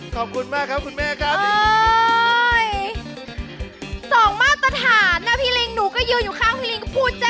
ส่องมาตระถานนะพี่ริงหนูก็ยืนอยู่ข้างพี่ริงพูดแจ้ว